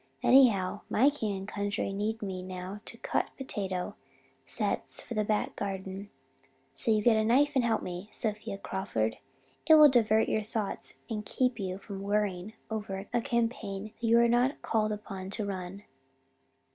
Anyhow, my king and country need me now to cut potato sets for the back garden, so get you a knife and help me, Sophia Crawford. It will divert your thoughts and keep you from worrying over a campaign that you are not called upon to run.'